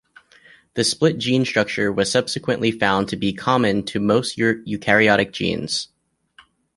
The split gene structure was subsequently found to be common to most eukaryotic genes.